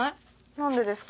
何でですか？